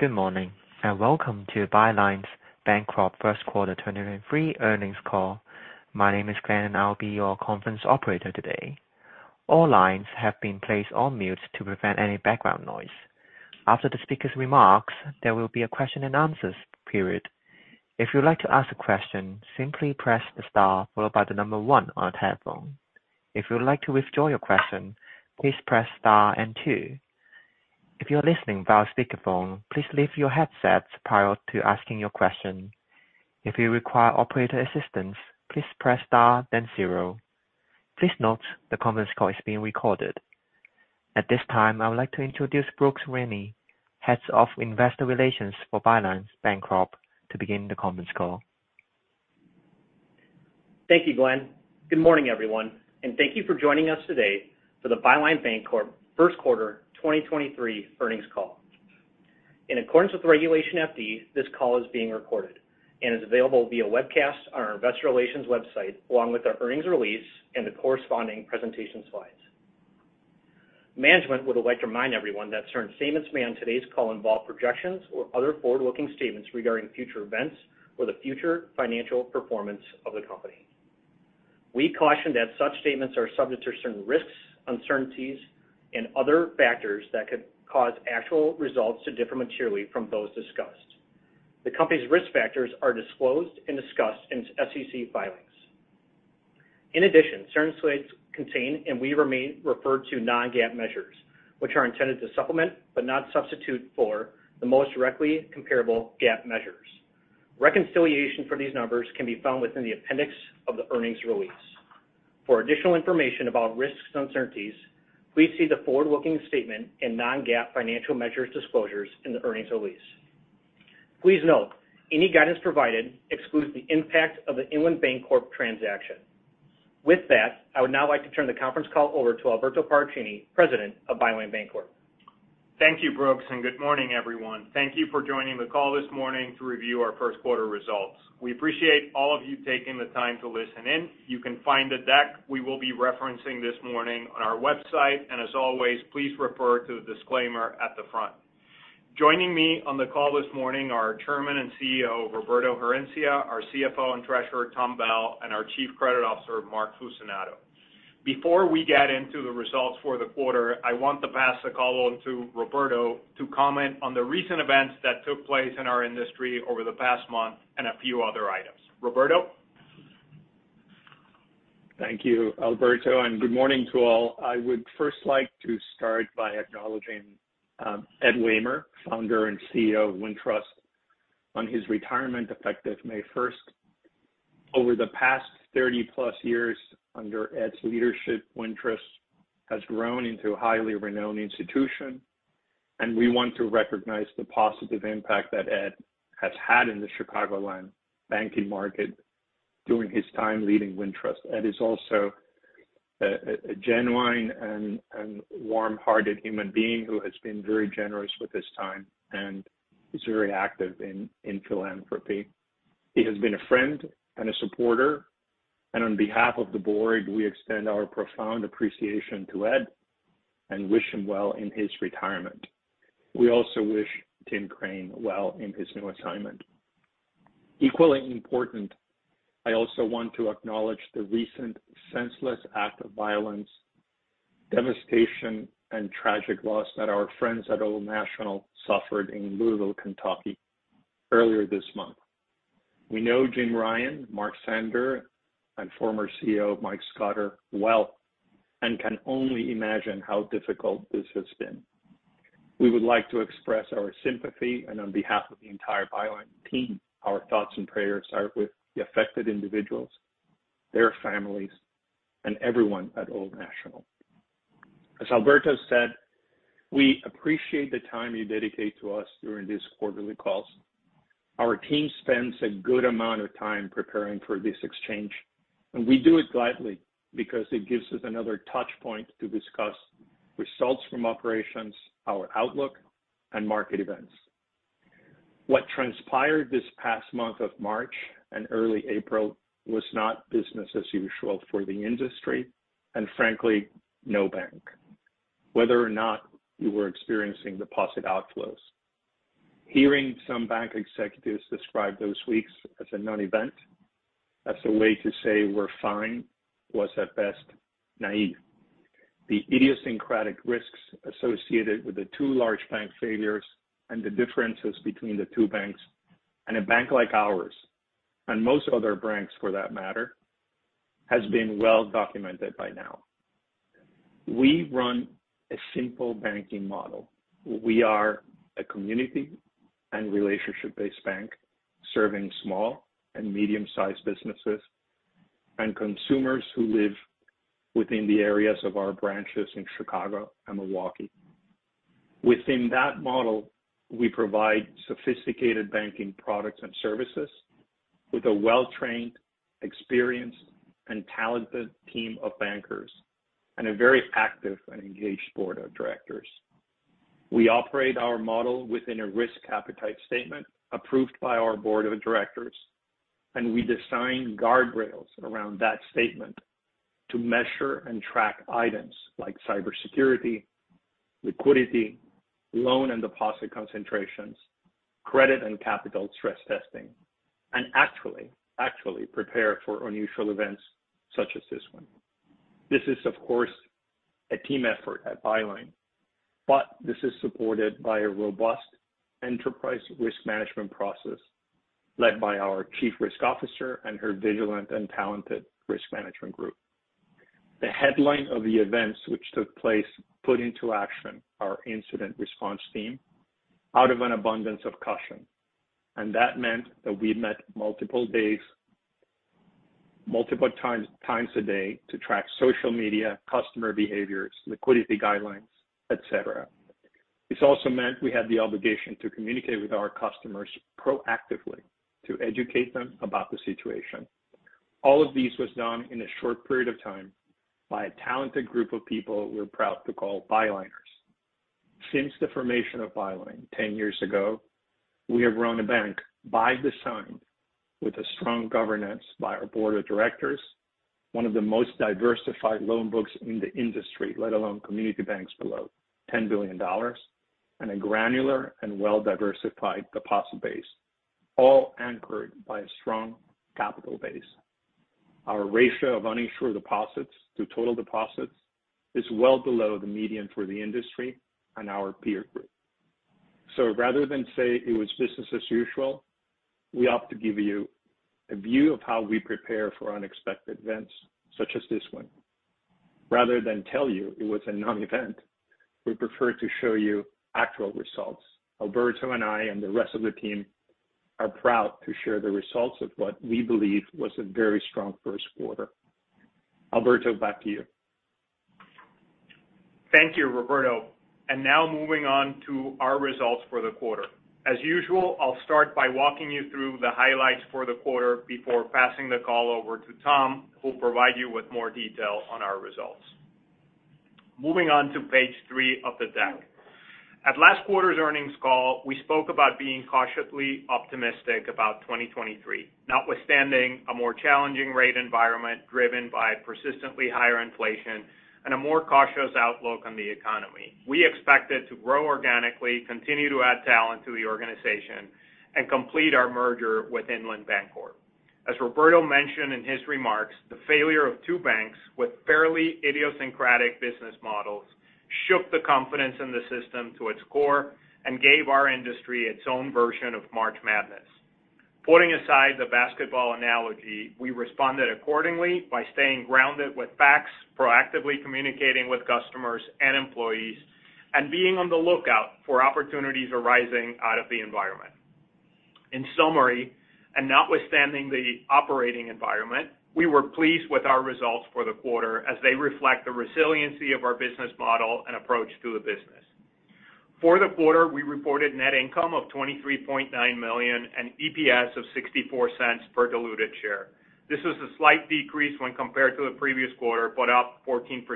Good morning. Welcome to Byline's Bancorp First Quarter 2023 Earnings Call. My name is Glenn. I'll be your conference operator today. All lines have been placed on mute to prevent any background noise. After the speaker's remarks, there will be a question and answers period. If you would like to ask a question, simply press star followed by one on a telephone. If you would like to withdraw your question, please press star and two. If you're listening via speakerphone, please leave your headsets prior to asking your question. If you require operator assistance, please press star then zero. Please note the conference call is being recorded. At this time, I would like to introduce Brooks Rennie, heads of investor relations for Byline Bancorp, to begin the conference call. Thank you, Glenn. Good morning, everyone, and thank you for joining us today for the Byline Bancorp First Quarter 2023 Earnings Call. In accordance with Regulation FD, this call is being recorded and is available via webcast on our investor relations website, along with our earnings release and the corresponding presentation slides. Management would like to remind everyone that certain statements made on today's call involve projections or other forward-looking statements regarding future events or the future financial performance of the company. We caution that such statements are subject to certain risks, uncertainties and other factors that could cause actual results to differ materially from those discussed. The company's risk factors are disclosed and discussed in its SEC filings. In addition, certain slides contain and we remain referred to non-GAAP measures, which are intended to supplement, but not substitute for, the most directly comparable GAAP measures. Reconciliation for these numbers can be found within the appendix of the earnings release. For additional information about risks and uncertainties, please see the forward-looking statement and non-GAAP financial measures disclosures in the earnings release. Please note any guidance provided excludes the impact of the Inland Bancorp transaction. With that, I would now like to turn the conference call over to Alberto Paracchini, President of Byline Bancorp. Thank you, Brooks. Good morning, everyone. Thank you for joining the call this morning to review our first quarter results. We appreciate all of you taking the time to listen in. You can find the deck we will be referencing this morning on our website. As always, please refer to the disclaimer at the front. Joining me on the call this morning are our Chairman and CEO, Roberto Herencia, our CFO and Treasurer, Tom Bell, and our Chief Credit Officer, Mark Fucinato. Before we get into the results for the quarter, I want to pass the call on to Roberto to comment on the recent events that took place in our industry over the past month and a few other items. Roberto. Thank you, Alberto. Good morning to all. I would first like to start by acknowledging Ed Wehmer, Founder and CEO of Wintrust, on his retirement effective May 1st. Over the past 30+ years under Ed's leadership, Wintrust has grown into a highly renowned institution. We want to recognize the positive impact that Ed has had in the Chicagoland banking market during his time leading Wintrust. Ed is also a genuine and warm-hearted human being who has been very generous with his time and is very active in philanthropy. He has been a friend and a supporter. On behalf of the board, we extend our profound appreciation to Ed and wish him well in his retirement. We also wish Tim Crane well in his new assignment. Equally important, I also want to acknowledge the recent senseless act of violence, devastation, and tragic loss that our friends at Old National suffered in Louisville, Kentucky earlier this month. We know Jim Ryan, Mark Sander, and former CEO Mike Scudder well and can only imagine how difficult this has been. We would like to express our sympathy, and on behalf of the entire Byline team, our thoughts and prayers are with the affected individuals, their families, and everyone at Old National. As Alberto said, we appreciate the time you dedicate to us during these quarterly calls. Our team spends a good amount of time preparing for this exchange, and we do it gladly because it gives us another touch point to discuss results from operations, our outlook, and market events. What transpired this past month of March and early April was not business as usual for the industry and frankly, no bank. Whether or not you were experiencing deposit outflows. Hearing some bank executives describe those weeks as a nonevent, as a way to say we're fine was at best naive. The idiosyncratic risks associated with the two large bank failures and the differences between the two banks and a bank like ours, and most other banks for that matter, has been well documented by now. We run a simple banking model. We are a community and relationship-based bank serving small and medium-sized businesses and consumers who live within the areas of our branches in Chicago and Milwaukee. Within that model, we provide sophisticated banking products and services with a well-trained, experienced, and talented team of bankers and a very active and engaged board of directors. We operate our model within a risk appetite statement approved by our board of directors, and we design guardrails around that statement to measure and track items like cybersecurity, liquidity, loan and deposit concentrations, credit and capital stress testing, and actually prepare for unusual events such as this one. This is, of course, a team effort at Byline, but this is supported by a robust enterprise risk management process led by our chief risk officer and her vigilant and talented risk management group. The headline of the events which took place put into action our incident response team out of an abundance of caution. That meant that we met multiple days, multiple times a day to track social media, customer behaviors, liquidity guidelines, et cetera. This also meant we had the obligation to communicate with our customers proactively to educate them about the situation. All of this was done in a short period of time by a talented group of people we're proud to call Byliners. Since the formation of Byline 10 years ago, we have run a bank by design with a strong governance by our board of directors, one of the most diversified loan books in the industry, let alone community banks below $10 billion, and a granular and well-diversified deposit base, all anchored by a strong capital base. Our ratio of uninsured deposits to total deposits is well below the median for the industry and our peer group. Rather than say it was business as usual, we opt to give you a view of how we prepare for unexpected events such as this one. Rather than tell you it was a non-event, we prefer to show you actual results. Alberto and I and the rest of the team are proud to share the results of what we believe was a very strong first quarter. Alberto, back to you. Thank you, Roberto. Now moving on to our results for the quarter. As usual, I'll start by walking you through the highlights for the quarter before passing the call over to Tom, who will provide you with more detail on our results. Moving on to page three of the deck. At last quarter's earnings call, we spoke about being cautiously optimistic about 2023. Notwithstanding a more challenging rate environment driven by persistently higher inflation and a more cautious outlook on the economy. We expected to grow organically, continue to add talent to the organization, and complete our merger with Inland Bancorp. As Roberto mentioned in his remarks, the failure of two banks with fairly idiosyncratic business models shook the confidence in the system to its core and gave our industry its own version of March Madness. Putting aside the basketball analogy, we responded accordingly by staying grounded with facts, proactively communicating with customers and employees, and being on the lookout for opportunities arising out of the environment. In summary, and notwithstanding the operating environment, we were pleased with our results for the quarter as they reflect the resiliency of our business model and approach to the business. For the quarter, we reported net income of $23.9 million and EPS of $0.64 per diluted share. This is a slight decrease when compared to the previous quarter, but up 14%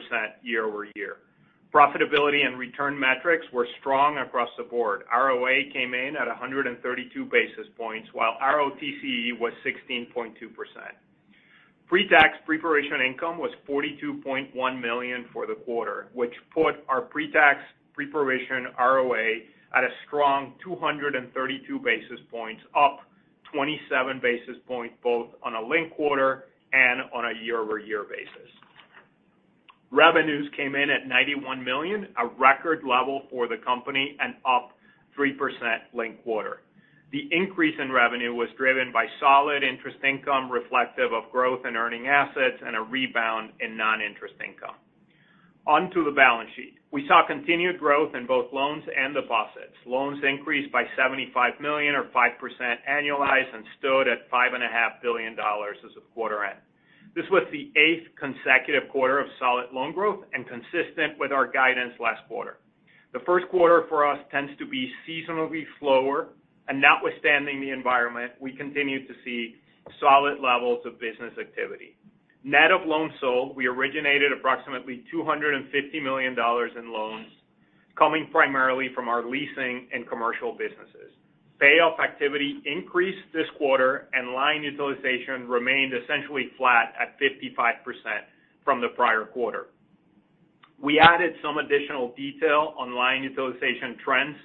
year-over-year. Profitability and return metrics were strong across the board. ROA came in at 132 basis points, while ROTCE was 16.2%. Pre-tax pre-provision income was $42.1 million for the quarter, which put our pre-tax pre-provision ROA at a strong 232 basis points, up 27 basis points, both on a linked quarter and on a year-over-year basis. Revenues came in at $91 million, a record level for the company and up 3% linked quarter. The increase in revenue was driven by solid interest income reflective of growth in earning assets and a rebound in non-interest income. On to the balance sheet. We saw continued growth in both loans and deposits. Loans increased by $75 million or 5% annualized and stood at $5.5 billion as of quarter end. This was the eighth consecutive quarter of solid loan growth and consistent with our guidance last quarter. The first quarter for us tends to be seasonally slower, and notwithstanding the environment, we continue to see solid levels of business activity. Net of loans sold, we originated approximately $250 million in loans coming primarily from our leasing and commercial businesses. Payoff activity increased this quarter and line utilization remained essentially flat at 55% from the prior quarter. We added some additional detail on line utilization trends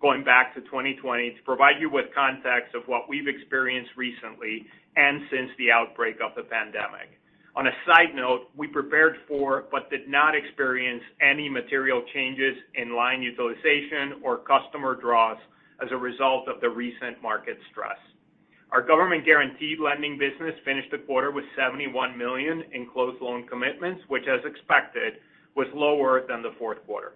going back to 2020 to provide you with context of what we've experienced recently and since the outbreak of the pandemic. On a side note, we prepared for but did not experience any material changes in line utilization or customer draws as a result of the recent market stress. Our government-guaranteed lending business finished the quarter with $71 million in closed loan commitments, which as expected, was lower than the fourth quarter.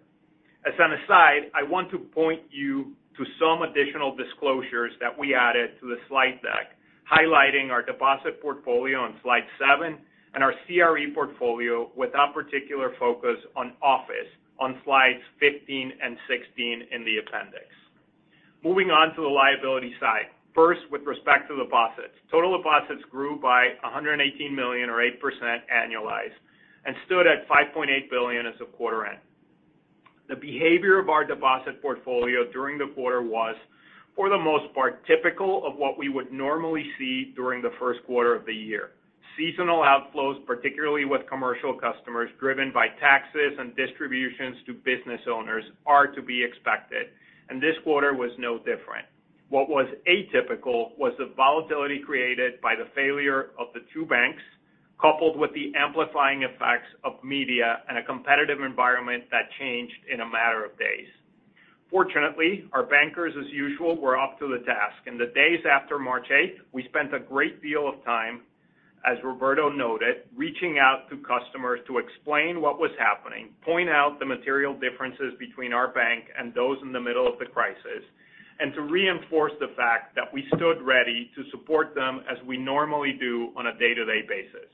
As an aside, I want to point you to some additional disclosures that we added to the slide deck, highlighting our deposit portfolio on slide seven and our CRE portfolio with a particular focus on office on slides 15 and 16 in the appendix. Moving on to the liability side. First, with respect to deposits. Total deposits grew by $118 million or 8% annualized and stood at $5.8 billion as of quarter end. The behavior of our deposit portfolio during the quarter was for the most part, typical of what we would normally see during the first quarter of the year. Seasonal outflows, particularly with commercial customers driven by taxes and distributions to business owners, are to be expected, and this quarter was no different. What was atypical was the volatility created by the failure of the two banks, coupled with the amplifying effects of media and a competitive environment that changed in a matter of days. Fortunately, our bankers, as usual, were up to the task. In the days after March eighth, we spent a great deal of time, as Roberto noted, reaching out to customers to explain what was happening, point out the material differences between our bank and those in the middle of the crisis, and to reinforce the fact that we stood ready to support them as we normally do on a day-to-day basis.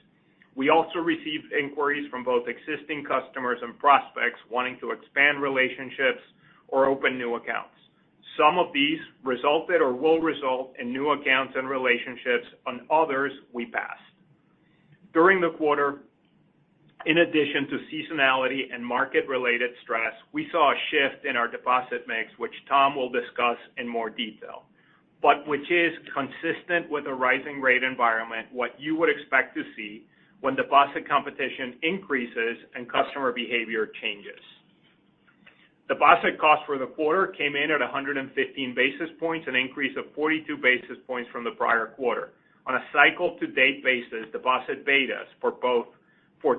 We also received inquiries from both existing customers and prospects wanting to expand relationships or open new accounts. Some of these resulted or will result in new accounts and relationships. On others, we passed. During the quarter, in addition to seasonality and market related stress, we saw a shift in our deposit mix, which Tom Bell will discuss in more detail. Which is consistent with a rising rate environment, what you would expect to see when deposit competition increases and customer behavior changes. Deposit cost for the quarter came in at 115 basis points, an increase of 42 basis points from the prior quarter. On a cycle to date basis, deposit betas for both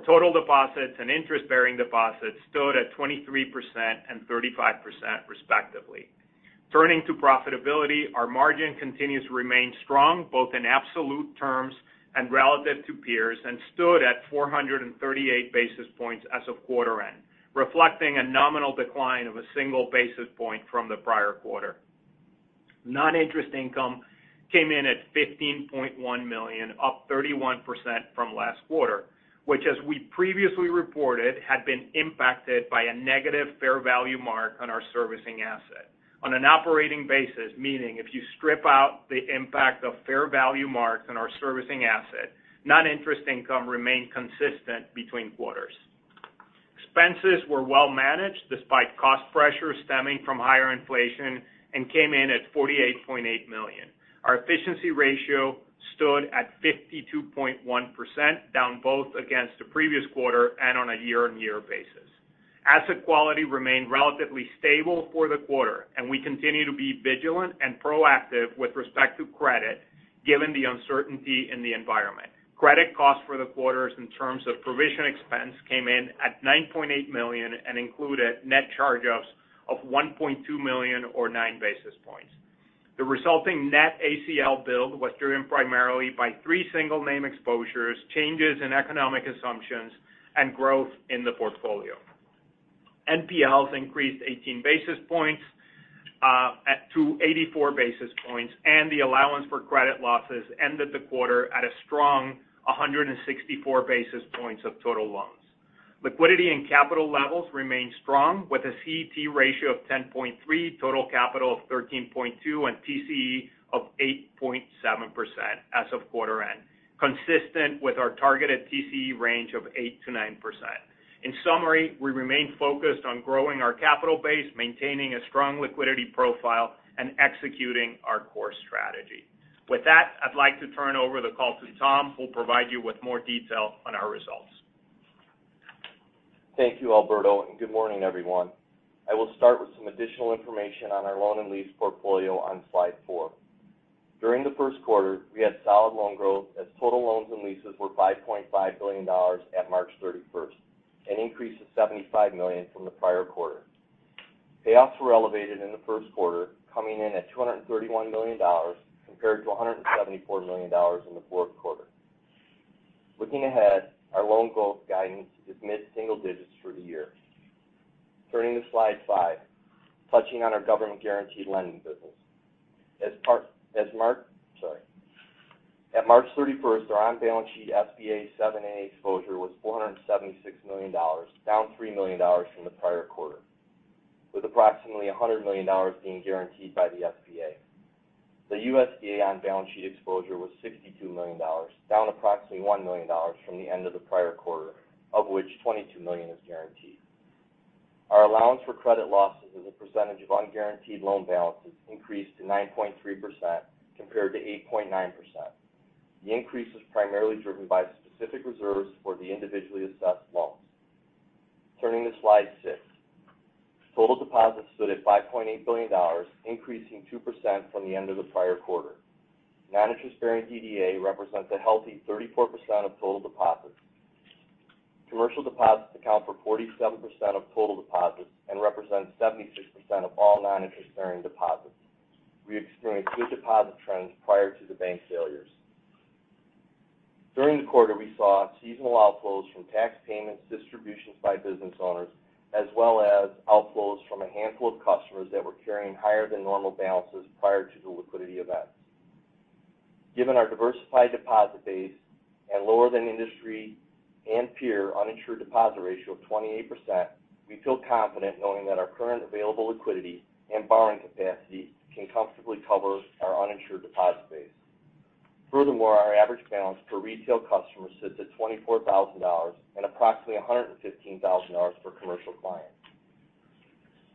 total deposits and interest-bearing deposits stood at 23% and 35% respectively. Turning to profitability, our margin continues to remain strong both in absolute terms and relative to peers, and stood at 438 basis points as of quarter end, reflecting a nominal decline of single basis point from the prior quarter. Non-interest income came in at $15.1 million, up 31% from last quarter, which as we previously reported, had been impacted by a negative fair value mark on our servicing asset. On an operating basis, meaning if you strip out the impact of fair value marks on our servicing asset, non-interest income remained consistent between quarters. Expenses were well managed despite cost pressures stemming from higher inflation and came in at $48.8 million. Our efficiency ratio stood at 52.1%, down both against the previous quarter and on a year-on-year basis. Asset quality remained relatively stable for the quarter, and we continue to be vigilant and proactive with respect to credit given the uncertainty in the environment. Credit costs for the quarters in terms of provision expense came in at $9.8 million and included net charge-offs of $1.2 million or nine basis points. The resulting net ACL build was driven primarily by three single name exposures, changes in economic assumptions, and growth in the portfolio. NPLs increased 18 basis points at 284 basis points, and the allowance for credit losses ended the quarter at a strong 164 basis points of total loans. Liquidity and capital levels remain strong with a CET1 ratio of 10.3, total capital of 13.2, and TCE of 8.7% as of quarter end, consistent with our targeted TCE range of 8%-9%. In summary, we remain focused on growing our capital base, maintaining a strong liquidity profile, and executing our core strategy. With that, I'd like to turn over the call to Tom, who will provide you with more detail on our results. Thank you, Alberto, and good morning, everyone. I will start with some additional information on our loan and lease portfolio on slide four. During the first quarter, we had solid loan growth as total loans and leases were $5.5 billion at March 31st, an increase of $75 million from the prior quarter. Payoffs were elevated in the first quarter, coming in at $231 million compared to $174 million in the fourth quarter. Looking ahead, our loan growth guidance is mid-single digits for the year. Turning to slide five. Touching on our government guaranteed lending business. As Mark, sorry. At March 31st, our on-balance sheet SBA 7(a) exposure was $476 million, down $3 million from the prior quarter, with approximately $100 million being guaranteed by the SBA. The USDA on-balance sheet exposure was $62 million, down approximately $1 million from the end of the prior quarter, of which $22 million is guaranteed. Our allowance for credit losses as a percentage of unguaranteed loan balances increased to 9.3% compared to 8.9%. The increase was primarily driven by specific reserves for the individually assessed loans. Turning to slide six. Total deposits stood at $5.8 billion, increasing 2% from the end of the prior quarter. Non-interest bearing DDA represents a healthy 34% of total deposits. Commercial deposits account for 47% of total deposits and represent 76% of all non-interest bearing deposits. We experienced good deposit trends prior to the bank failures. During the quarter, we saw seasonal outflows from tax payments, distributions by business owners, as well as outflows from a handful of customers that were carrying higher than normal balances prior to the liquidity events. Given our diversified deposit base and lower than industry and peer uninsured deposit ratio of 28%, we feel confident knowing that our current available liquidity and borrowing capacity can comfortably cover our uninsured deposit base. Our average balance per retail customer sits at $24,000 and approximately $115,000 per commercial client.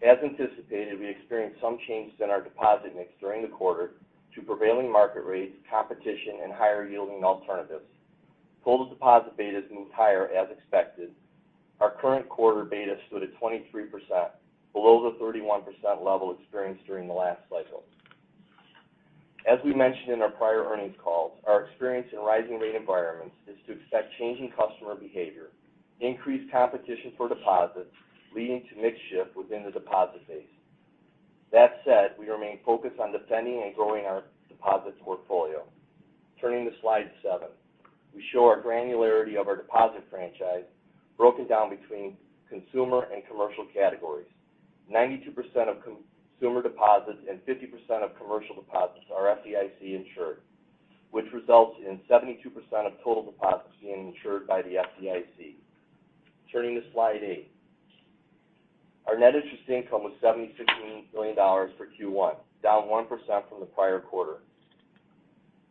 As anticipated, we experienced some changes in our deposit mix during the quarter to prevailing market rates, competition, and higher-yielding alternatives. Total deposit betas moved higher as expected. Our current quarter beta stood at 23%, below the 31% level experienced during the last cycle. As we mentioned in our prior earnings calls, our experience in rising rate environments is to expect changing customer behavior, increased competition for deposits, leading to mix shift within the deposit base. That said, we remain focused on defending and growing our deposits portfolio. Turning to slide seven. We show our granularity of our deposit franchise broken down between consumer and commercial categories. 92% of consumer deposits and 50% of commercial deposits are FDIC insured, which results in 72% of total deposits being insured by the FDIC. Turning to slide eight. Our net interest income was $76 million for Q1, down 1% from the prior quarter.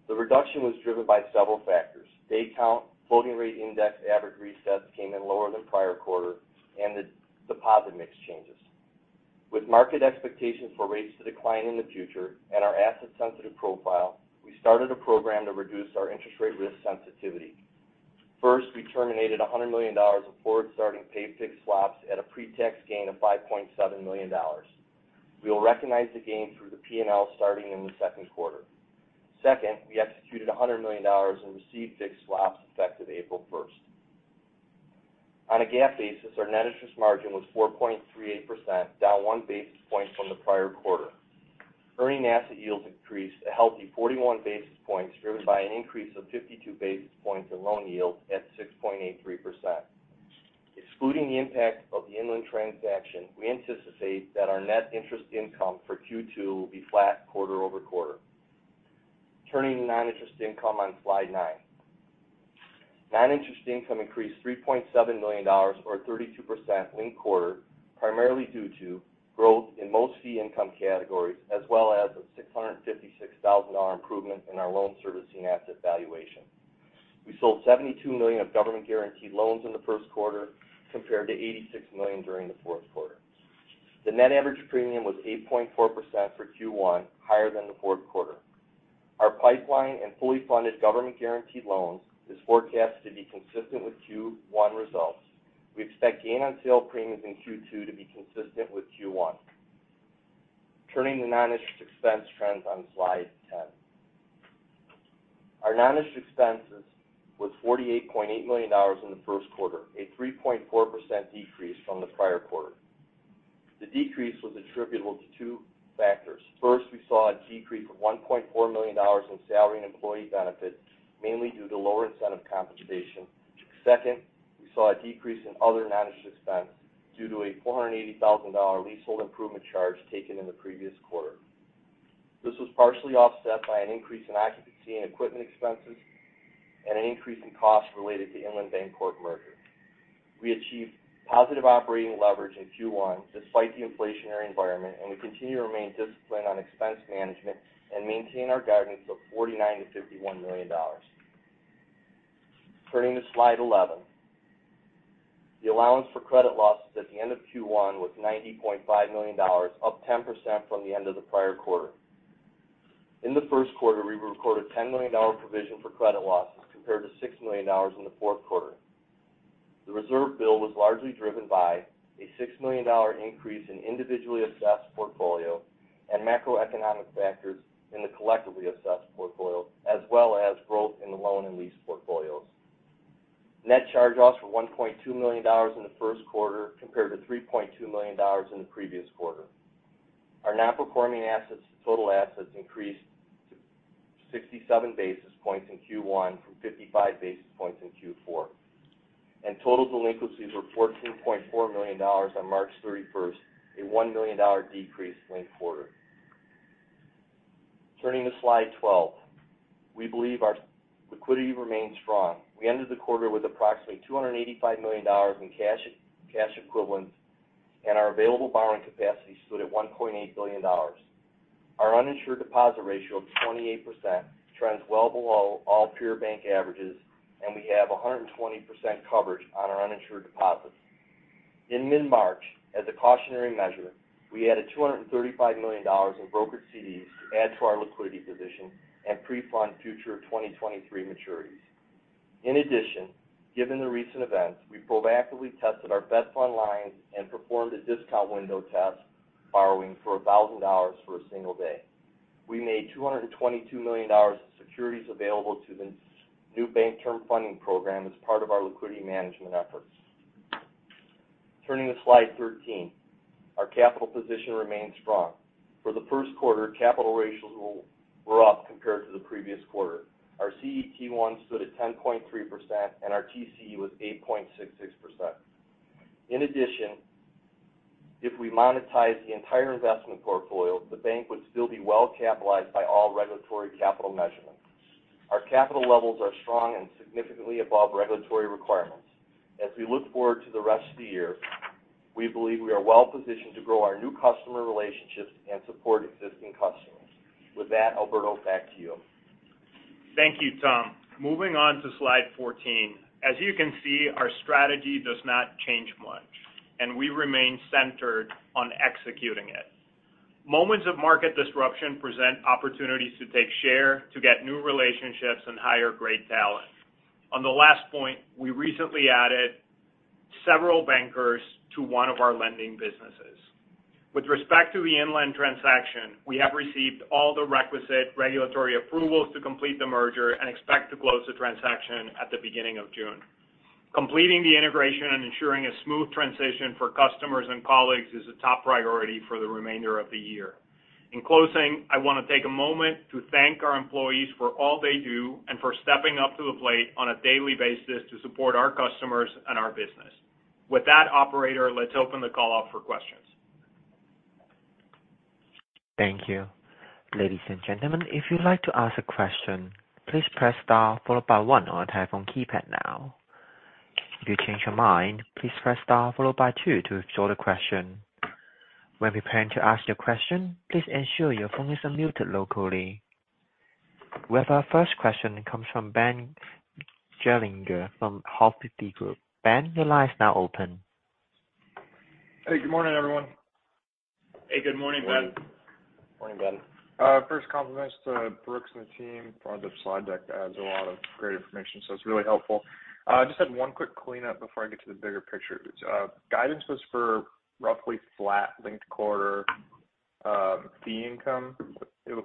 The reduction was driven by several factors. Day count, floating rate index average resets came in lower than prior quarter and the deposit mix changes. With market expectations for rates to decline in the future and our asset-sensitive profile, we started a program to reduce our interest rate risk sensitivity. First, we terminated $100 million of forward-starting pay fixed swaps at a pre-tax gain of $5.7 million. We will recognize the gain through the P&L starting in the second quarter. Second, we executed $100 million in received fixed swaps effective April first. On a GAAP basis, our net interest margin was 4.38%, down one basis point from the prior quarter. Earning asset yields increased a healthy 41 basis points, driven by an increase of 52 basis points in loan yield at 6.83%. Excluding the impact of the Inland transaction, we anticipate that our net interest income for Q2 will be flat quarter-over-quarter. Turning to non-interest income on slide nine. Non-interest income increased $3.7 million or 32% linked quarter, primarily due to growth in most fee income categories, as well as a $656,000 improvement in our loan servicing asset valuation. We sold $72 million of government-guaranteed loans in the first quarter compared to $86 million during the fourth quarter. The net average premium was 8.4% for Q1, higher than the fourth quarter. Our pipeline and fully funded government-guaranteed loans is forecast to be consistent with Q1 results. We expect gain on sale premiums in Q2 to be consistent with Q1. Turning to non-interest expense trends on slide ten. Our non-interest expenses was $48.8 million in the first quarter, a 3.4% decrease from the prior quarter. The decrease was attributable to two factors. First, we saw a decrease of $1.4 million in salary and employee benefits, mainly due to lower incentive compensation. Second, we saw a decrease in other non-interest expense due to a $480,000 leasehold improvement charge taken in the previous quarter. This was partially offset by an increase in occupancy and equipment expenses and an increase in costs related to Inland Bancorp merger. We achieved positive operating leverage in Q1 despite the inflationary environment, and we continue to remain disciplined on expense management and maintain our guidance of $49 million-$51 million. Turning to slide 11. The allowance for credit losses at the end of Q1 was $90.5 million, up 10% from the end of the prior quarter. In the first quarter, we recorded a $10 million provision for credit losses compared to $6 million in the fourth quarter. The reserve build was largely driven by a $6 million increase in individually assessed portfolio and macroeconomic factors in the collectively assessed portfolio, as well as growth in the loan and lease portfolios. Net charge-offs were $1.2 million in the first quarter compared to $3.2 million in the previous quarter. Our nonperforming assets to total assets increased to 67 basis points in Q1 from 55 basis points in Q4. Total delinquencies were $14.4 million on March 31st, a $1 million decrease linked quarter. Turning to slide 12. We believe our liquidity remains strong. We ended the quarter with approximately $285 million in cash equivalents. Our available borrowing capacity stood at $1.8 billion. Our uninsured deposit ratio of 28% trends well below all peer bank averages. We have 120% coverage on our uninsured deposits. In mid-March, as a cautionary measure, we added $235 million in brokered CDs to add to our liquidity position and pre-fund future 2023 maturities. In addition, given the recent events, we proactively tested our Fed Funds line and performed a discount window test, borrowing for $1,000 for a single day. We made $222 million in securities available to the new Bank Term Funding Program as part of our liquidity management efforts. Turning to slide 13. Our capital position remains strong. For the first quarter, capital ratios were up compared to the previous quarter. Our CET1 stood at 10.3%, and our TCE was 8.66%. In addition, if we monetize the entire investment portfolio, the bank would still be well capitalized by all regulatory capital measurements. Our capital levels are strong and significantly above regulatory requirements. As we look forward to the rest of the year. We believe we are well-positioned to grow our new customer relationships and support existing customers. With that, Alberto, back to you. Thank you, Tom. Moving on to slide 14. As you can see, our strategy does not change much. We remain centered on executing it. Moments of market disruption present opportunities to take share to get new relationships and higher grade talent. On the last point, we recently added several bankers to one of our lending businesses. With respect to the Inland transaction, we have received all the requisite regulatory approvals to complete the merger. We expect to close the transaction at the beginning of June. Completing the integration and ensuring a smooth transition for customers and colleagues is a top priority for the remainder of the year. In closing, I want to take a moment to thank our employees for all they do and for stepping up to the plate on a daily basis to support our customers and our business. With that, operator, let's open the call up for questions. Thank you. Ladies and gentlemen, if you'd like to ask a question, please press star followed by one on your telephone keypad now. If you change your mind, please press star followed by two to withdraw the question. When preparing to ask your question, please ensure your phone is unmuted locally. We have our first question comes from Ben Gerlinger from Hovde Group. Ben, your line is now open. Hey, good morning, everyone. Hey, good morning, Ben. Morning. Morning, Ben. First compliments to Brooks and the team for the slide deck. That was a lot of great information, so it's really helpful. Just had one quick cleanup before I get to the bigger picture. Guidance was for roughly flat linked quarter, fee income. Is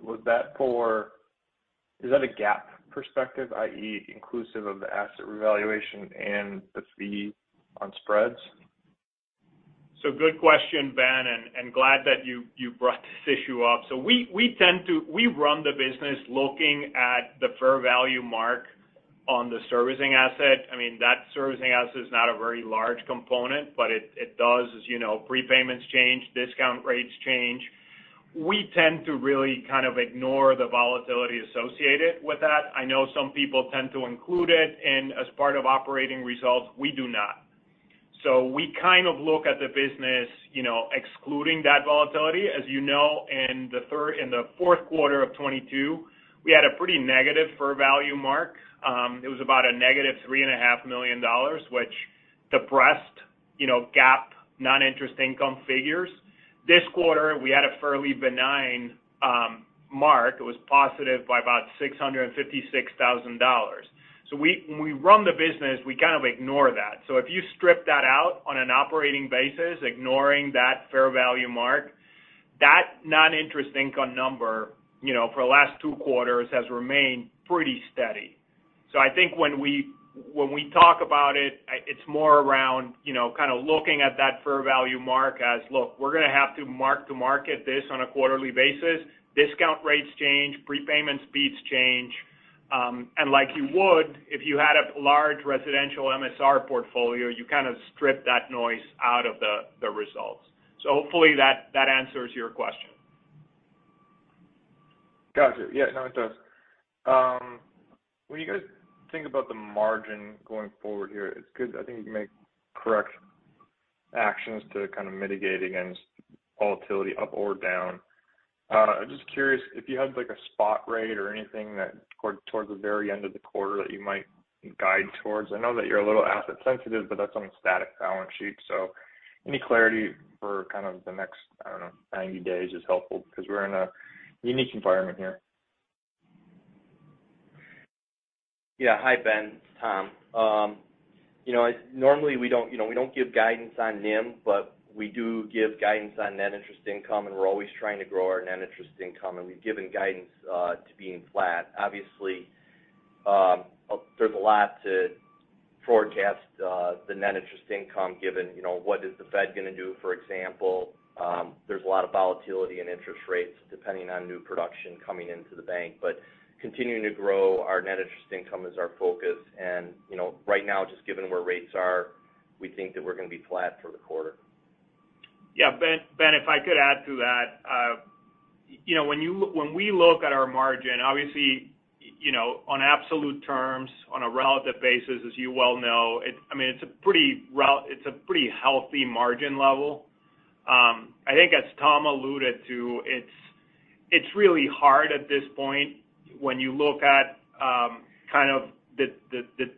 that a GAAP perspective, i.e., inclusive of the asset revaluation and the fee on spreads? Good question, Ben, and glad that you brought this issue up. We run the business looking at the fair value mark on the servicing asset. I mean, that servicing asset is not a very large component, but it does, as you know, prepayments change, discount rates change. We tend to really kind of ignore the volatility associated with that. I know some people tend to include it in as part of operating results, we do not. We kind of look at the business, you know, excluding that volatility. As you know, in the fourth quarter of 2022, we had a pretty negative fair value mark. It was about a negative three and a half million dollars, which depressed, you know, GAAP non-interest income figures. This quarter, we had a fairly benign mark. It was positive by about $656,000. When we run the business, we kind of ignore that. If you strip that out on an operating basis, ignoring that fair value mark, that non-interest income number, you know, for the last two quarters has remained pretty steady. I think when we talk about it's more around, you know, kind of looking at that fair value mark as, look, we're gonna have to mark-to-market this on a quarterly basis. Discount rates change, prepayment speeds change. Like you would if you had a large residential MSR portfolio, you kind of strip that noise out of the results. Hopefully that answers your question. Got you. Yeah, no, it does. When you guys think about the margin going forward here, it's good. I think you can make correct actions to kind of mitigate against volatility up or down. Just curious if you had like a spot rate or anything that towards the very end of the quarter that you might guide towards? I know that you're a little asset sensitive, but that's on a static balance sheet. Any clarity for kind of the next, I don't know, 90 days is helpful because we're in a unique environment here. Hi, Ben, it's Tom. You know, normally we don't, you know, we don't give guidance on NIM, but we do give guidance on net interest income, and we're always trying to grow our net interest income, and we've given guidance to being flat. Obviously, there's a lot to forecast the net interest income given, you know, what is the Fed gonna do, for example. There's a lot of volatility in interest rates depending on new production coming into the bank. Continuing to grow our net interest income is our focus, and you know, right now, just given where rates are, we think that we're gonna be flat for the quarter. Ben, if I could add to that. you know, when we look at our margin, obviously, you know, on absolute terms, on a relative basis, as you well know, I mean, it's a pretty healthy margin level. I think as Tom alluded to, it's really hard at this point when you look at kind of the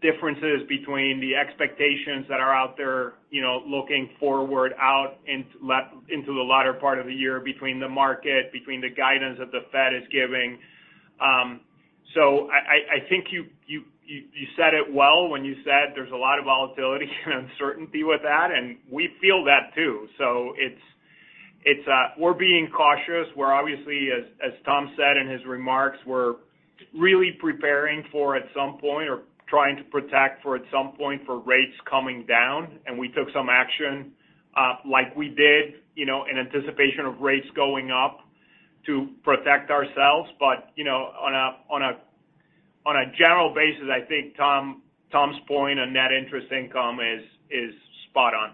differences between the expectations that are out there, you know, looking forward out into the latter part of the year between the market, between the guidance that the Fed is giving. I think you said it well when you said there's a lot of volatility and uncertainty with that, and we feel that too. It's. We're being cautious. We're obviously, as Tom said in his remarks, we're really preparing for at some point or trying to protect for at some point for rates coming down. We took some action, like we did, you know, in anticipation of rates going up to protect ourselves. You know, on a general basis, I think Tom's point on net interest income is spot on.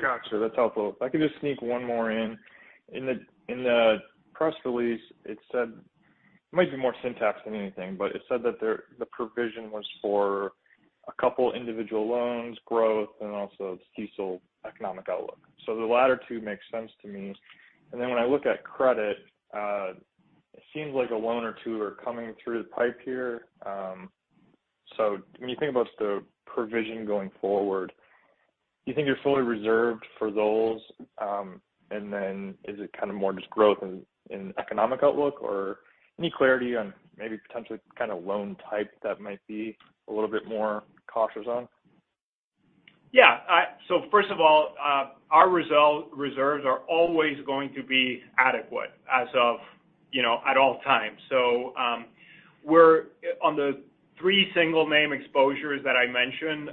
Gotcha. That's helpful. If I could just sneak one more in. In the press release, it said it might be more syntax than anything, but it said that the provision was for a couple individual loans, growth, and also diesel economic outlook. The latter two makes sense to me. When I look at credit, it seems like a loan or two are coming through the pipe here. When you think about the provision going forward, do you think you're fully reserved for those? Is it kind of more just growth in economic outlook? Or any clarity on maybe potentially kind of loan type that might be a little bit more cautious on? First of all, our reserves are always going to be adequate as of, you know, at all times. We're-- On the three single name exposures that I mentioned,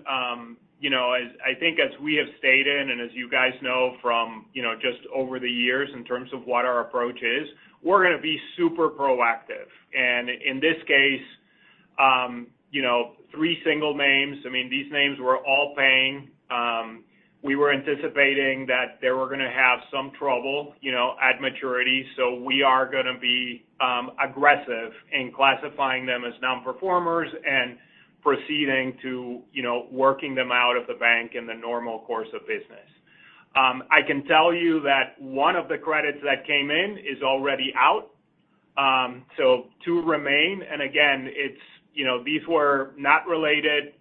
you know, as I think as we have stated, and as you guys know from, you know, just over the years in terms of what our approach is, we're gonna be super proactive. In this case, you know, three single names, I mean, these names were all paying. We were anticipating that they were gonna have some trouble, you know, at maturity. We are gonna be aggressive in classifying them as nonperformers and proceeding to, you know, working them out of the bank in the normal course of business. I can tell you that one of the credits that came in is already out. Two remain. Again, it's, you know, these were not related,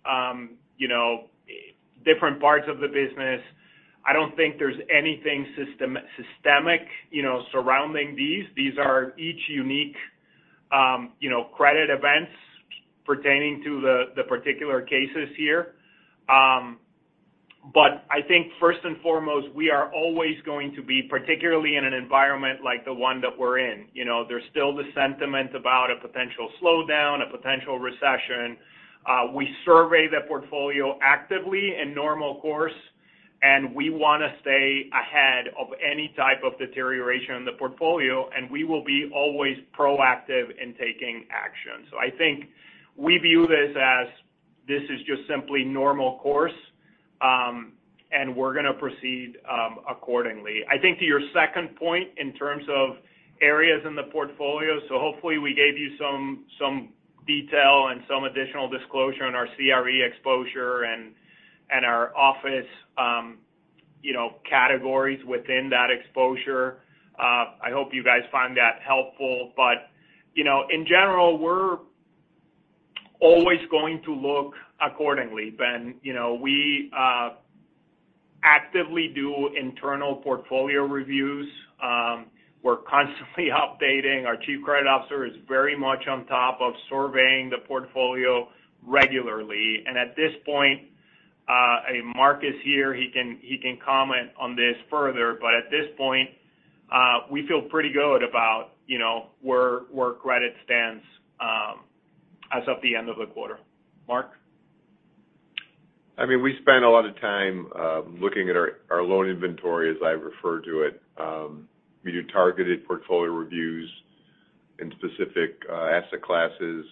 you know, different parts of the business. I don't think there's anything systemic, you know, surrounding these. These are each unique, you know, credit events pertaining to the particular cases here. I think first and foremost, we are always going to be, particularly in an environment like the one that we're in. You know, there's still the sentiment about a potential slowdown, a potential recession. We survey the portfolio actively in normal course, and we wanna stay ahead of any type of deterioration in the portfolio, and we will be always proactive in taking action. I think we view this as this is just simply normal course, and we're gonna proceed accordingly. I think to your second point in terms of areas in the portfolio. Hopefully we gave you some detail and some additional disclosure on our CRE exposure and our office, you know, categories within that exposure. I hope you guys find that helpful. You know, in general, we're always going to look accordingly, Ben. You know, we actively do internal portfolio reviews. We're constantly updating. Our Chief Credit Officer is very much on top of surveying the portfolio regularly. At this point, I mean Mark is here, he can comment on this further. At this point, we feel pretty good about, you know, where credit stands, as of the end of the quarter. Mark? I mean, we spend a lot of time, looking at our loan inventory, as I refer to it. We do targeted portfolio reviews in specific, asset classes.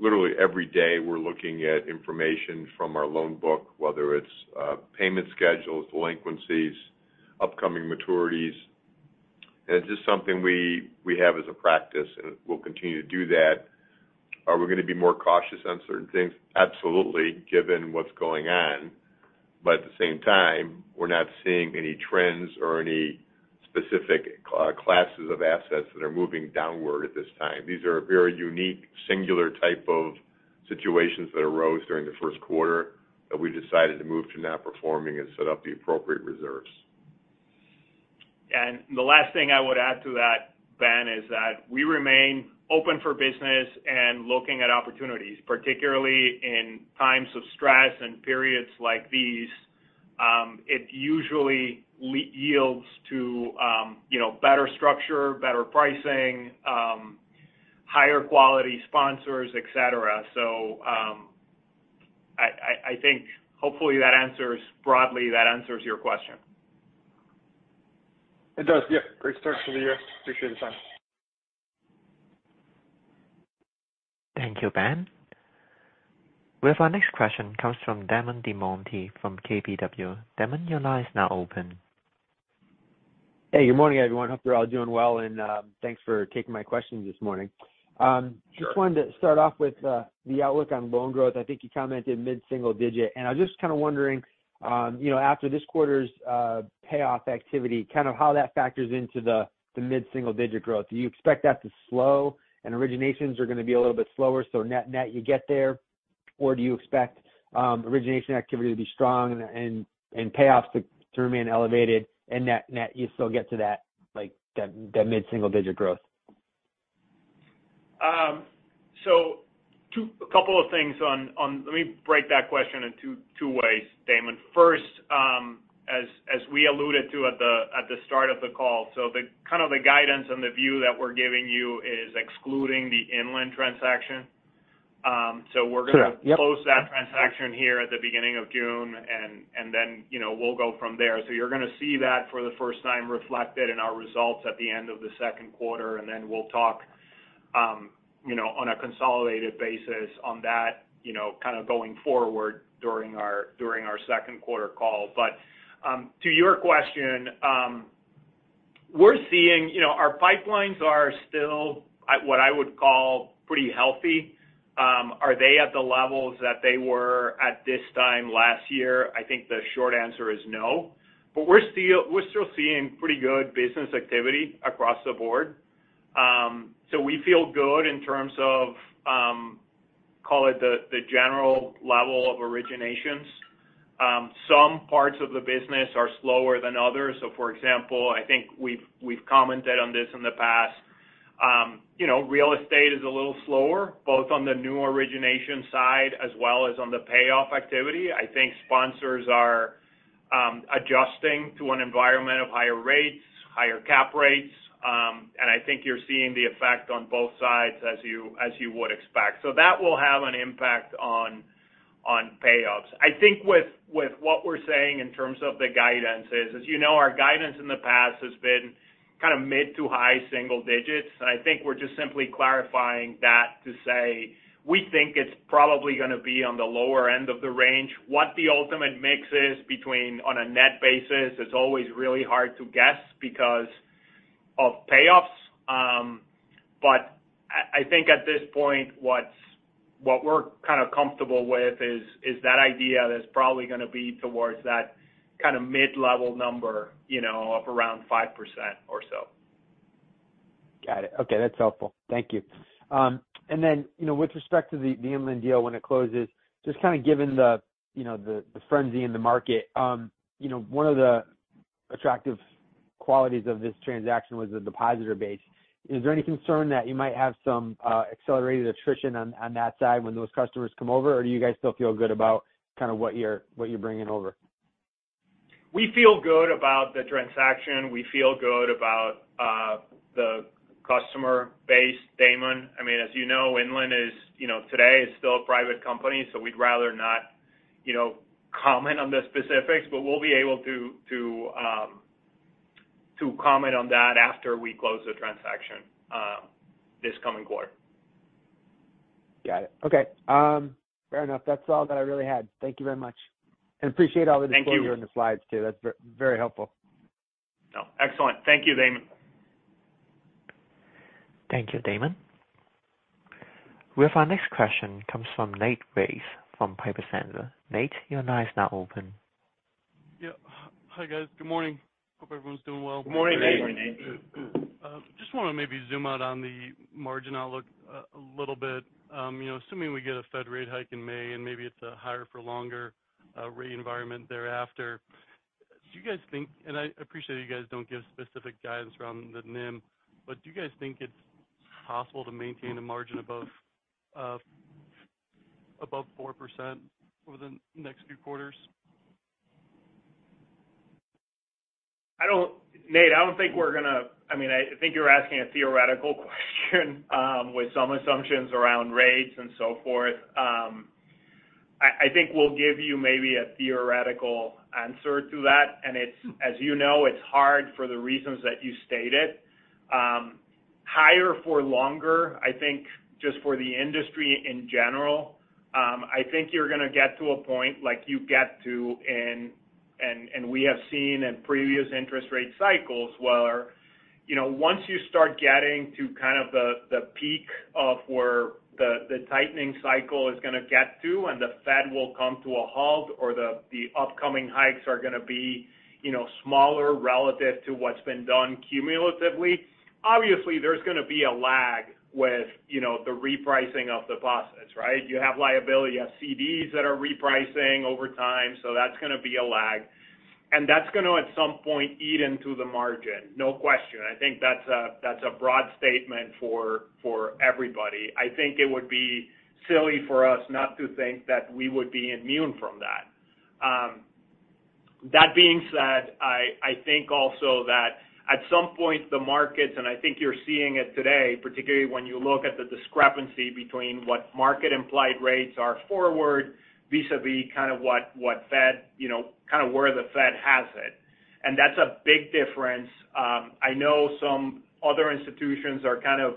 Literally every day, we're looking at information from our loan book, whether it's, payment schedules, delinquencies, upcoming maturities. It's just something we have as a practice, and we'll continue to do that. Are we gonna be more cautious on certain things? Absolutely, given what's going on. At the same time, we're not seeing any trends or any specific, classes of assets that are moving downward at this time. These are very unique, singular type of situations that arose during the first quarter that we decided to move to non-performing and set up the appropriate reserves. The last thing I would add to that, Ben, is that we remain open for business and looking at opportunities, particularly in times of stress and periods like these, it usually yields to, you know, better structure, better pricing, higher quality sponsors, et cetera. I think hopefully that answers broadly, that answers your question. It does. Yeah. Great start to the year. Appreciate the time. Thank you, Ben. With our next question comes from Damon DelMonte from KBW. Damon, your line is now open. Hey, good morning, everyone. Hope you're all doing well, and thanks for taking my questions this morning. Just wanted to start off with the outlook on loan growth. I think you commented mid-single digit. I was just kind of wondering, you know, after this quarter's payoff activity, kind of how that factors into the mid-single digit growth. Do you expect that to slow and originations are gonna be a little bit slower, so net-net you get there? Do you expect origination activity to be strong and payoffs to remain elevated and net-net you still get to that, like, that mid-single digit growth? A couple of things on. Let me break that question in two ways, Damon. First, as we alluded to at the start of the call. The kind of the guidance and the view that we're giving you is excluding the Inland transaction. We're gonna close that transaction here at the beginning of June, and then, you know, we'll go from there. Yeah. Yup. You're gonna see that for the first time reflected in our results at the end of the second quarter, and then we'll talk, you know, on a consolidated basis on that, you know, kind of going forward during our second quarter call. To your question, you know, our pipelines are still at what I would call pretty healthy. Are they at the levels that they were at this time last year? I think the short answer is no. We're still seeing pretty good business activity across the board. We feel good in terms of, call it the general level of originations. Some parts of the business are slower than others. For example, I think we've commented on this in the past. You know, real estate is a little slower, both on the new origination side as well as on the payoff activity. I think sponsors are adjusting to an environment of higher rates, higher cap rates. I think you're seeing the effect on both sides as you would expect. That will have an impact on payoffs. I think with what we're saying in terms of the guidance is, as you know, our guidance in the past has been kind of mid to high single digits. I think we're just simply clarifying that to say, we think it's probably gonna be on the lower end of the range. What the ultimate mix is between on a net basis is always really hard to guess because of payoffs. I think at this point, what we're kind of comfortable with is that idea that it's probably gonna be towards that kind of mid-level number, you know, of around 5% or so. Got it. Okay. That's helpful. Thank you. You know, with respect to the Inland deal when it closes, just kind of given the, you know, the frenzy in the market, you know, one of the attractive qualities of this transaction was the depositor base. Is there any concern that you might have some accelerated attrition on that side when those customers come over? Or do you guys still feel good about kind of what you're bringing over? We feel good about the transaction. We feel good about the customer base, Damon. I mean, as you know, Inland is, you know, today is still a private company, we'd rather not, you know, comment on the specifics. We'll be able to comment on that after we close the transaction this coming quarter. Got it. Okay. Fair enough. That's all that I really had. Thank you very much, and appreciate all the disclosure in the slides, too. Thank you. That's very helpful. No. Excellent. Thank you, Damon. Thank you, Damon. We have our next question comes from Nate Race from Piper Sandler. Nate, your line is now open. Yeah. Hi, guys. Good morning. Hope everyone's doing well. Good morning, Nate. Good morning, Nate. Just want to maybe zoom out on the margin outlook a little bit. You know, assuming we get a Fed rate hike in May, maybe it's a higher for longer rate environment thereafter, I appreciate you guys don't give specific guidance around the NIM. Do you guys think it's possible to maintain a margin above 4% over the next few quarters? Nate, I mean, I think you're asking a theoretical question with some assumptions around rates and so forth. I think we'll give you maybe a theoretical answer to that. It's, as you know, it's hard for the reasons that you stated. Higher for longer, I think just for the industry in general, I think you're gonna get to a point like you get to and we have seen in previous interest rate cycles where, you know, once you start getting to kind of the peak of where the tightening cycle is gonna get to, and the Fed will come to a halt or the upcoming hikes are gonna be, you know, smaller relative to what's been done cumulatively, obviously, there's gonna be a lag with, you know, the repricing of deposits, right? You have liability, you have CDs that are repricing over time, so that's gonna be a lag. That's gonna, at some point, eat into the margin. No question. I think that's a broad statement for everybody. I think it would be silly for us not to think that we would be immune from that. That being said, I think also that at some point the markets, and I think you're seeing it today, particularly when you look at the discrepancy between what market implied rates are forward vis-a-vis kind of what Fed, you know, kind of where the Fed has it. That's a big difference. I know some other institutions are kind of,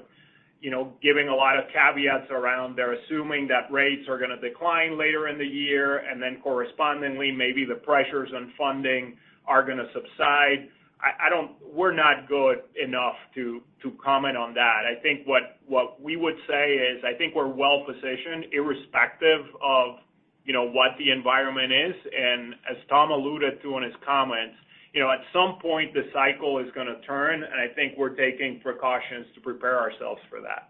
you know, giving a lot of caveats around they're assuming that rates are gonna decline later in the year, and then correspondingly, maybe the pressures on funding are gonna subside. I don't we're not good enough to comment on that. I think what we would say is, I think we're well positioned irrespective of, you know, what the environment is. As Tom alluded to in his comments, you know, at some point the cycle is gonna turn, and I think we're taking precautions to prepare ourselves for that.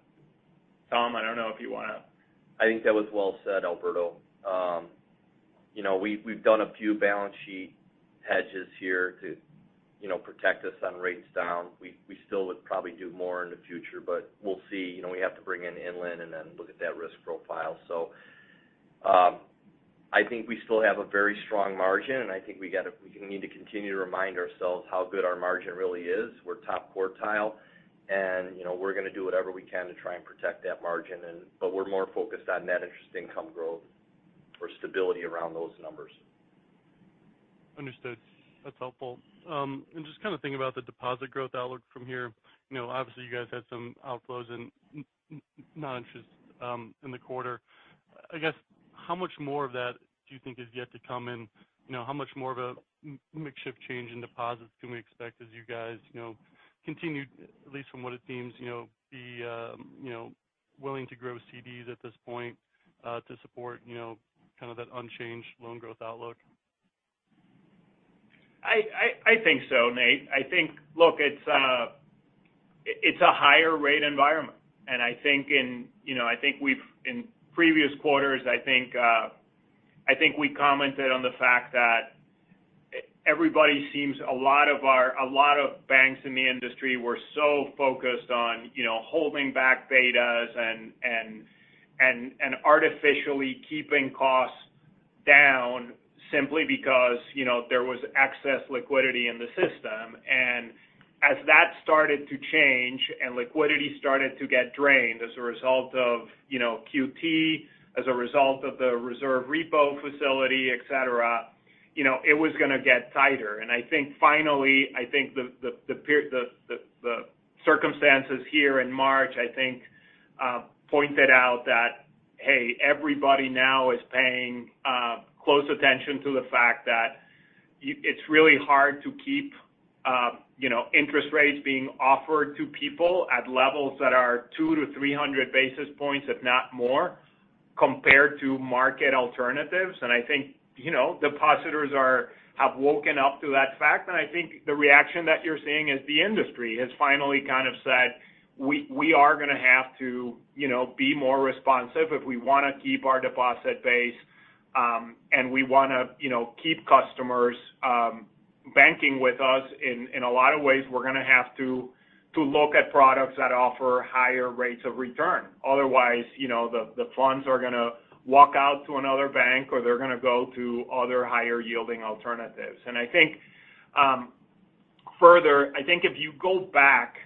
Tom, I don't know if you wanna... I think that was well said, Alberto. you know, we've done a few balance sheet hedges here to, you know, protect us on rates down. We still would probably do more in the future, but we'll see. You know, we have to bring in Inland and then look at that risk profile. I think we still have a very strong margin, and I think we need to continue to remind ourselves how good our margin really is. We're top quartile and, you know, we're gonna do whatever we can to try and protect that margin but we're more focused on net interest income growth or stability around those numbers. Understood. That's helpful. Just kind of thinking about the deposit growth outlook from here, you know, obviously you guys had some outflows in non-interest in the quarter. I guess how much more of that do you think is yet to come? How much more of a mix shift change in deposits can we expect as you guys, you know, continue, at least from what it seems, you know, be, you know, willing to grow CDs at this point to support, you know, kind of that unchanged loan growth outlook? I think so, Nate. Look, it's a higher rate environment. I think in, you know, in previous quarters, I think we commented on the fact that a lot of banks in the industry were so focused on, you know, holding back betas and artificially keeping costs down simply because, you know, there was excess liquidity in the system. As that started to change and liquidity started to get drained as a result of, you know, QT, as a result of the reserve repo facility, et cetera, you know, it was gonna get tighter. I think finally, I think the circumstances here in March, I think pointed out that, hey, everybody now is paying close attention to the fact that it's really hard to keep, you know, interest rates being offered to people at levels that are two to 300 basis points, if not more, compared to market alternatives. I think, you know, depositors have woken up to that fact. I think the reaction that you're seeing is the industry has finally kind of said, we are gonna have to, you know, be more responsive if we wanna keep our deposit base, and we wanna, you know, keep customers banking with us. In a lot of ways, we're gonna have to look at products that offer higher rates of return. Otherwise, you know, the funds are gonna walk out to another bank, or they're gonna go to other higher yielding alternatives. I think further, I think if you go back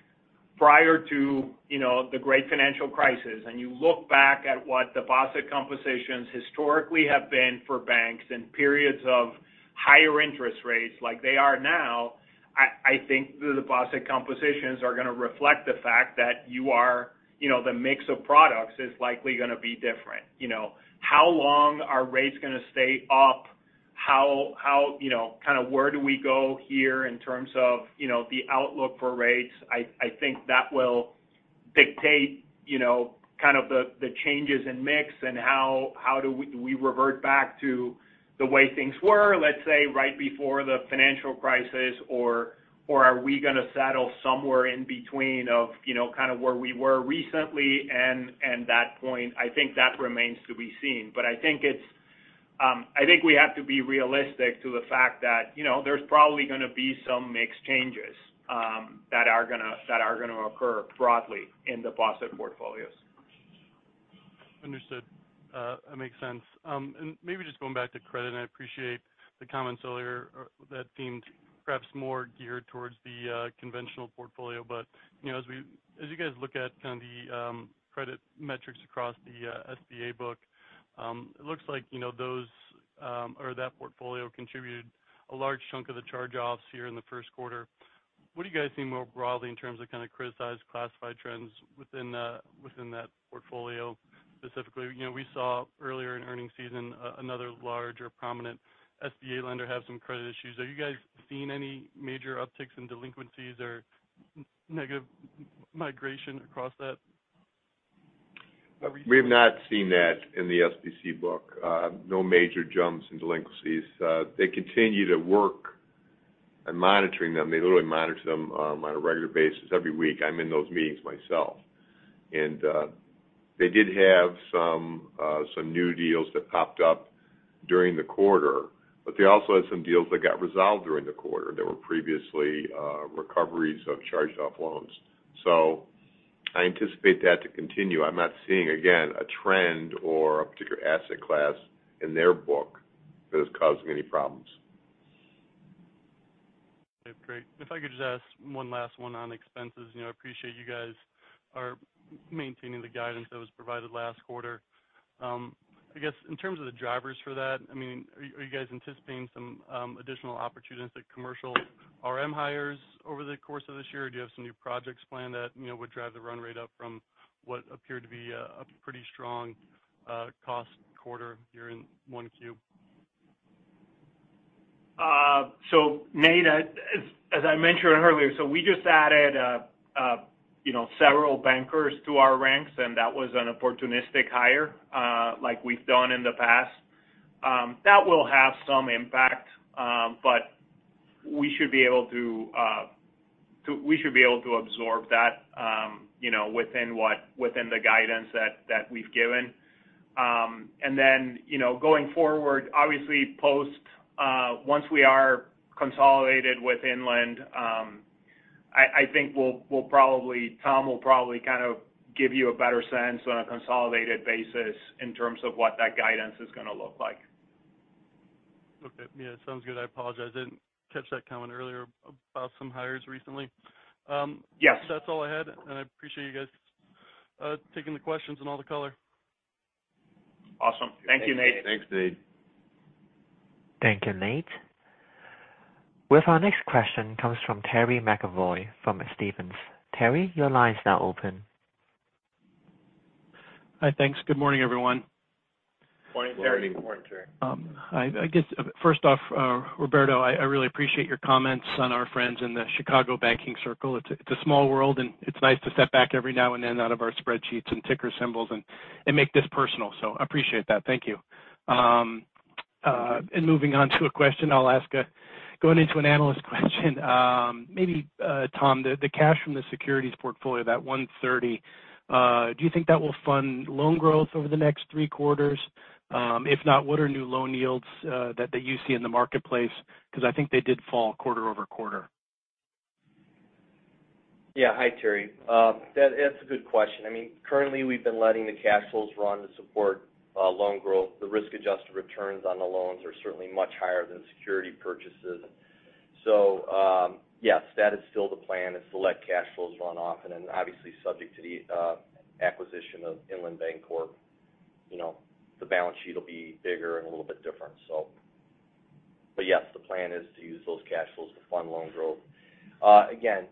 prior to, you know, the great financial crisis, and you look back at what deposit compositions historically have been for banks in periods of higher interest rates like they are now, I think the deposit compositions are gonna reflect the fact that you are, you know, the mix of products is likely gonna be different. You know, how long are rates gonna stay up? How, you know, kind of where do we go here in terms of, you know, the outlook for rates? I think that will dictate, you know, kind of the changes in mix and how do we revert back to the way things were, let's say, right before the financial crisis? Or are we gonna settle somewhere in between of, you know, kind of where we were recently and that point? I think that remains to be seen. But I think it's, I think we have to be realistic to the fact that, you know, there's probably gonna be some mix changes that are gonna occur broadly in deposit portfolios. Understood. That makes sense. And maybe just going back to credit, and I appreciate the comments earlier that seemed perhaps more geared towards the conventional portfolio. You know, as you guys look at kind of the credit metrics across the SBA book, it looks like, you know, those or that portfolio contributed a large chunk of the charge-offs here in the first quarter. What do you guys see more broadly in terms of kind of criticized classified trends within that portfolio specifically? You know, we saw earlier in earnings season another large or prominent SBA lender have some credit issues. Are you guys seeing any major upticks in delinquencies or negative migration across that? We've not seen that in the SBC book. No major jumps in delinquencies. They continue to work on monitoring them. They literally monitor them on a regular basis every week. I'm in those meetings myself. They did have some new deals that popped up during the quarter, but they also had some deals that got resolved during the quarter that were previously recoveries of charged-off loans. I anticipate that to continue. I'm not seeing, again, a trend or a particular asset class in their book that is causing any problems. Okay, great. If I could just ask one last one on expenses. You know, I appreciate you guys are maintaining the guidance that was provided last quarter. I guess in terms of the drivers for that, I mean, are you guys anticipating some additional opportunistic commercial RM hires over the course of this year? Or do you have some new projects planned that, you know, would drive the run rate up from what appeared to be a pretty strong cost quarter here in 1Q? Nate, as I mentioned earlier, we just added, you know, several bankers to our ranks, and that was an opportunistic hire, like we've done in the past. That will have some impact, we should be able to absorb that, you know, within the guidance that we've given. You know, going forward, obviously post, once we are consolidated with Inland, I think Tom Bell will probably kind of give you a better sense on a consolidated basis in terms of what that guidance is gonna look like. Okay. Yeah, sounds good. I apologize. I didn't catch that comment earlier about some hires recently. Yes. That's all I had, and I appreciate you guys taking the questions and all the color. Awesome. Thank you, Nate. Thanks, Nate. Thank you, Nate. With our next question comes from Terry McEvoy from Stephens. Terry, your line is now open. Hi, thanks. Good morning, everyone. Morning, Terry. Morning. I guess first off, Roberto, I really appreciate your comments on our friends in the Chicago banking circle. It's a small world, and it's nice to step back every now and then out of our spreadsheets and ticker symbols and make this personal. I appreciate that. Thank you. Moving on to a question I'll ask going into an analyst question. Maybe, Tom, the cash from the securities portfolio, that $130, do you think that will fund loan growth over the next three quarters? If not, what are new loan yields that you see in the marketplace? Because I think they did fall quarter-over-quarter. Yeah. Hi, Terry. That's a good question. I mean, currently, we've been letting the cash flows run to support loan growth. The risk-adjusted returns on the loans are certainly much higher than security purchases. Yes, that is still the plan is to let cash flows run off. Obviously subject to the acquisition of Inland Bancorp, you know, the balance sheet will be bigger and a little bit different. Yes, the plan is to use those cash flows to fund loan growth. Again,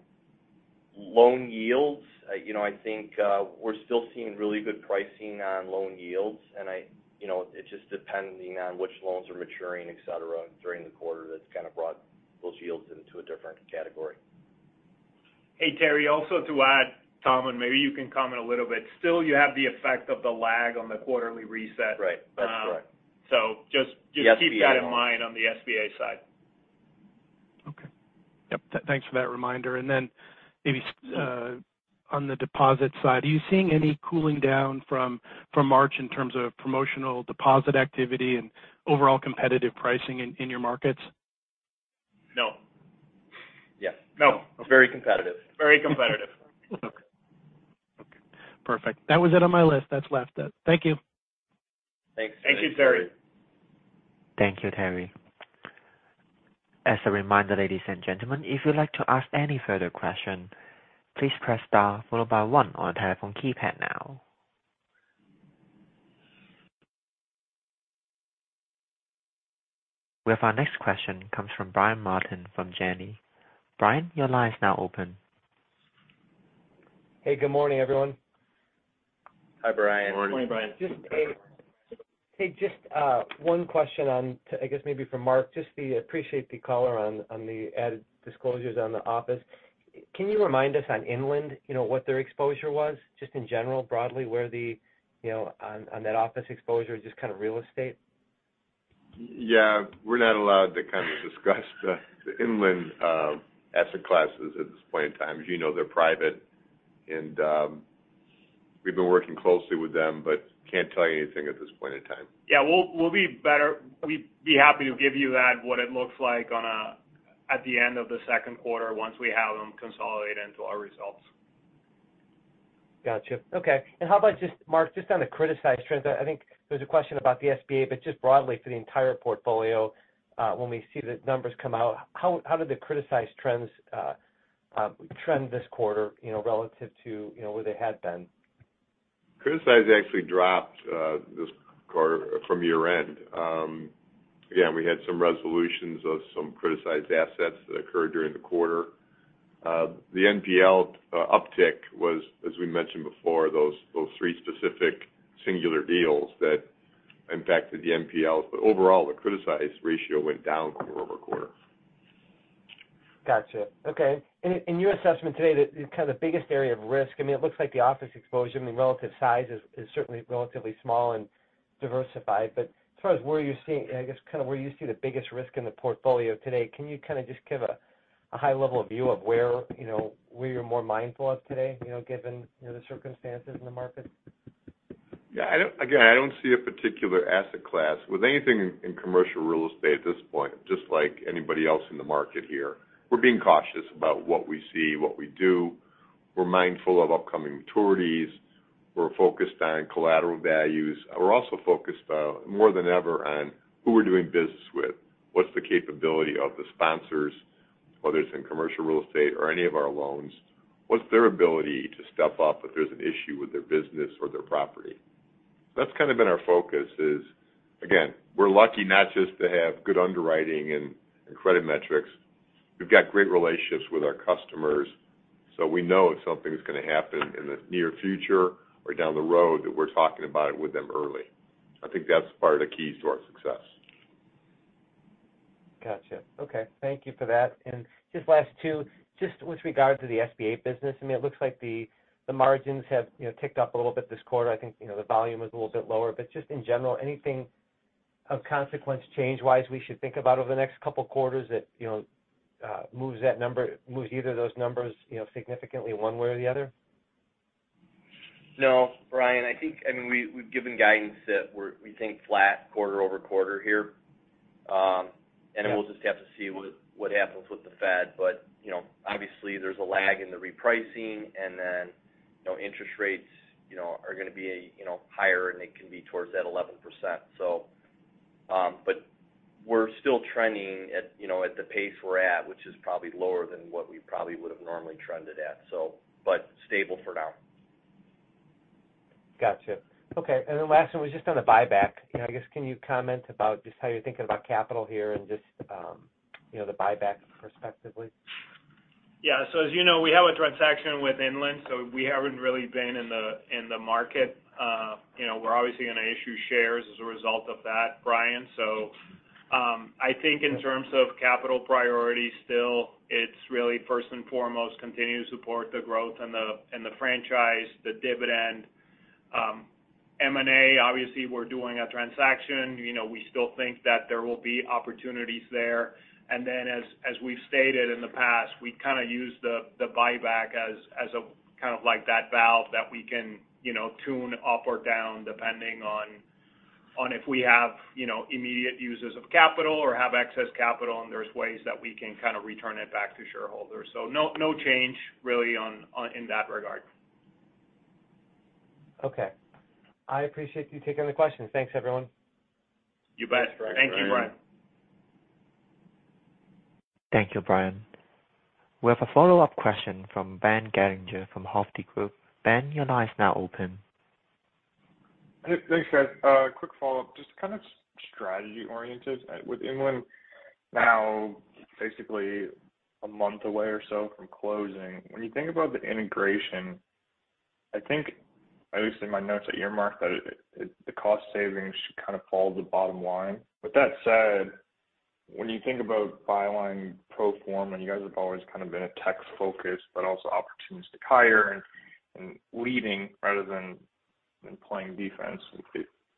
loan yields, you know, I think, we're still seeing really good pricing on loan yields. I, you know, it's just depending on which loans are maturing, et cetera, during the quarter that's kind of brought those yields into a different category. Hey, Terry, also to add, Tom, and maybe you can comment a little bit. Still you have the effect of the lag on the quarterly reset. Right. That's correct. Um, so just keep that in mind on the SBA side The SBA loans. Okay. Yep. Thanks for that reminder. Maybe on the deposit side, are you seeing any cooling down from March in terms of promotional deposit activity and overall competitive pricing in your markets? No. Yes. No. Very competitive. Very competitive. Okay. Okay. Perfect. That was it on my list that's left. Thank you. Thanks, Terry. Thank you, Terry. Thank you, Terry. As a reminder, ladies and gentlemen, if you'd like to ask any further question, please press star followed by one on your telephone keypad now. We have our next question comes from Brian Martin from Janney. Brian, your line is now open. Hey, good morning, everyone. Hi, Brian. Morning. Morning, Brian. Just hey, just one question on I guess maybe for Mark, just the appreciate the color on the added disclosures on the office. Can you remind us on Inland, you know, what their exposure was just in general broadly where the, you know, on that office exposure, just kind of real estate? Yeah. We're not allowed to kind of discuss the Inland asset classes at this point in time. You know, they're private and we've been working closely with them but can't tell you anything at this point in time. Yeah. We'd be happy to give you that what it looks like at the end of the second quarter once we have them consolidated into our results. Got you. Okay. How about just, Mark, just on the criticized trends, I think there's a question about the SBA, but just broadly for the entire portfolio, when we see the numbers come out, how did the criticized trends trend this quarter, you know, relative to, you know, where they had been? Criticized actually dropped this quarter from year-end. Again, we had some resolutions of some criticized assets that occurred during the quarter. The NPL uptick was, as we mentioned before, those three specific singular deals that impacted the NPL. Overall, the criticized ratio went down quarter-over-quarter. Got you. Okay. In your assessment today, the kind of biggest area of risk, I mean, it looks like the office exposure, I mean, relative size is certainly relatively small and diversified. As far as where you see, I guess, kind of where you see the biggest risk in the portfolio today, can you kind of just give a high level view of where, you know, where you're more mindful of today, you know, given, you know, the circumstances in the market? Again, I don't see a particular asset class with anything in commercial real estate at this point, just like anybody else in the market here. We're being cautious about what we see, what we do. We're mindful of upcoming maturities. We're focused on collateral values. We're also focused on more than ever on who we're doing business with. What's the capability of the sponsors, whether it's in commercial real estate or any of our loans? What's their ability to step up if there's an issue with their business or their property? That's kind of been our focus is, again, we're lucky not just to have good underwriting and credit metrics. We've got great relationships with our customers. We know if something's gonna happen in the near future or down the road that we're talking about it with them early. I think that's part of the keys to our success. Got you. Okay. Thank you for that. Just last two, just with regard to the SBA business, I mean, it looks like the margins have, you know, ticked up a little bit this quarter. I think, you know, the volume was a little bit lower. Just in general, anything of consequence change-wise we should think about over the next couple quarters that, you know, moves either of those numbers, you know, significantly one way or the other? Brian. I think, I mean, we've given guidance that we think flat quarter-over-quarter here. We'll just have to see what happens with the Fed. You know, obviously there's a lag in the repricing, interest rates, you know, are gonna be, you know, higher than they can be towards that 11%. We're still trending at, you know, at the pace we're at, which is probably lower than what we probably would have normally trended at, so but stable for now. Gotcha. Okay. Last one was just on the buyback. You know, I guess, can you comment about just how you're thinking about capital here and just, you know, the buyback perspectively? As you know, we have a transaction with Inland, so we haven't really been in the market. You know, we're obviously gonna issue shares as a result of that, Brian. I think in terms of capital priority still, it's really first and foremost continue to support the growth and the franchise, the dividend. M&A, obviously we're doing a transaction. You know, we still think that there will be opportunities there. Then as we've stated in the past, we kinda use the buyback as a kind of like that valve that we can, you know, tune up or down depending on if we have, you know, immediate uses of capital or have excess capital and there's ways that we can kinda return it back to shareholders. No, no change really on in that regard. Okay. I appreciate you taking the questions. Thanks, everyone. You bet. Thank you, Brian. Thank you, Brian. We have a follow-up question from Ben Gerlinger from Hovde Group. Ben, your line is now open. Thanks, guys. Quick follow-up, just kind of strategy oriented. With Inland now basically a month away or so from closing, when you think about the integration, I think, at least in my notes that the cost savings should kind of fall to the bottom line. With that said, when you think about Byline pro forma, and you guys have always kind of been a tech focused, but also opportunities to hire and leading rather than playing defense,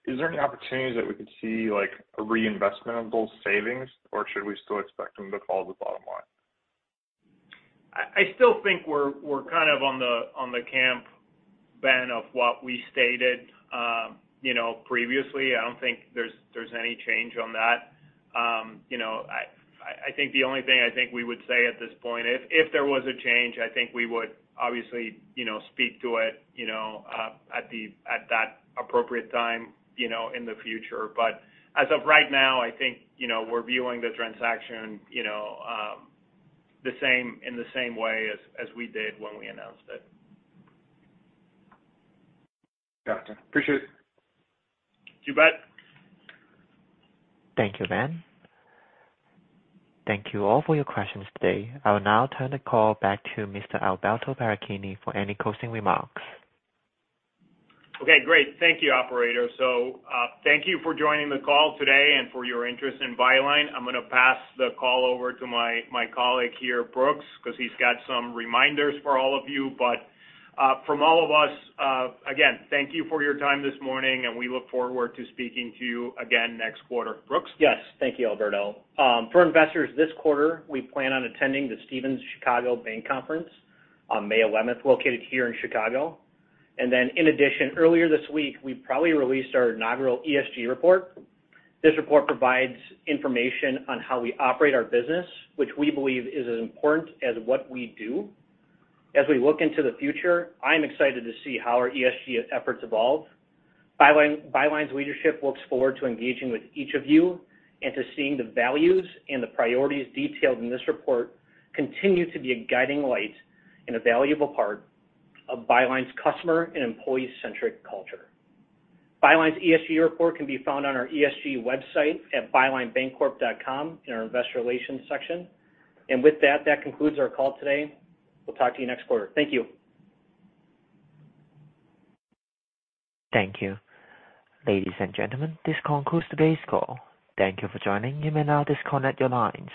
is there any opportunities that we could see like a reinvestment of those savings, or should we still expect them to fall to the bottom line? I still think we're kind of on the camp, Ben, of what we stated, you know, previously. I don't think there's any change on that. You know, I think the only thing I think we would say at this point, if there was a change, I think we would obviously, you know, speak to it, you know, at that appropriate time, you know, in the future. As of right now, I think, you know, we're viewing the transaction, you know, in the same way as we did when we announced it. Gotcha. Appreciate it. You bet. Thank you, Ben. Thank you all for your questions today. I will now turn the call back to Mr. Alberto Paracchini for any closing remarks. Okay, great. Thank you, operator. Thank you for joining the call today and for your interest in Byline. I'm gonna pass the call over to my colleague here, Brooks, 'cause he's got some reminders for all of you. From all of us, again, thank you for your time this morning, and we look forward to speaking to you again next quarter. Brooks? Yes. Thank you, Alberto. For investors this quarter, we plan on attending the Stephens Chicago Bank Conference on May 11th, located here in Chicago. In addition, earlier this week, we proudly released our inaugural ESG report. This report provides information on how we operate our business, which we believe is as important as what we do. As we look into the future, I'm excited to see how our ESG efforts evolve. Byline's leadership looks forward to engaging with each of you and to seeing the values and the priorities detailed in this report continue to be a guiding light and a valuable part of Byline's customer and employee-centric culture. Byline's ESG report can be found on our ESG website at bylinebancorp.com in our Investor Relations section. With that concludes our call today. We'll talk to you next quarter. Thank you. Thank you. Ladies and gentlemen, this concludes today's call. Thank you for joining. You may now disconnect your lines.